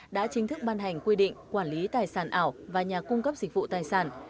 đã chính thức ban hành quy định quản lý tài sản ảo và nhà cung cấp dịch vụ tài sản